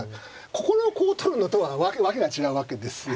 ここのこう取るのとは訳が違うわけですよ。